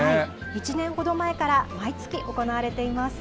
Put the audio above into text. １年ほど前から毎月行われています。